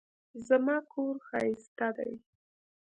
زما کور ښايسته دی